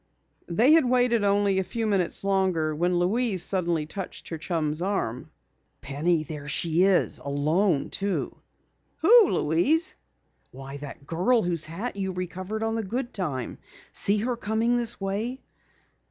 They had waited only a few minutes longer when Louise suddenly touched her chum's arm. "Penny, there she is! Alone, too!" "Who, Louise?" "Why, that girl whose hat you recovered on the Goodtime. See her coming this way?"